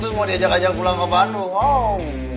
semua diajak ajak pulang ke bandung